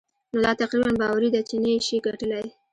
نو دا تقريباً باوري ده چې نه يې شې ګټلای.